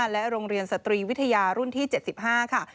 และโรงเรียนสตรีวิทยารุ่นที่๗๕ค่ะ